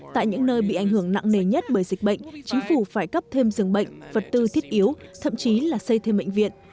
tại những nơi bị ảnh hưởng nặng nề nhất bởi dịch bệnh chính phủ phải cấp thêm giường bệnh vật tư thiết yếu thậm chí là xây thêm bệnh viện